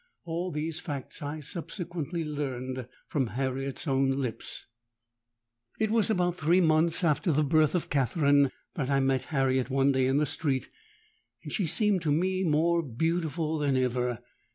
All these facts I subsequently learnt from Harriet's own lips. "It was about three months after the birth of Katherine that I met Harriet one day in the street; and she seemed to me more beautiful than ever.